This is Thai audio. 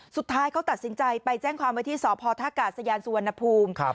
สุดท้ายเขาตัดสินใจไปแจ้งความไว้ที่สพท่ากาศยานสุวรรณภูมิ